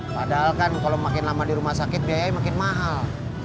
padahal kan kalau makin lama di rumah sakit biayanya makin mahal